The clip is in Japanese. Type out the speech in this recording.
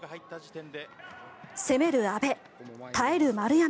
攻める阿部、耐える丸山。